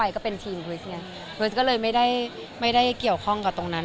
คริสต์ก็เลยไม่ได้เกี่ยวข้องกับตรงนั้น